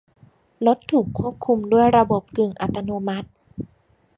รถถูกควบคุมด้วยระบบกึ่งอัตโนมัติ